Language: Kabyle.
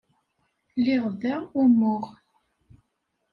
Liɣ da umuɣ.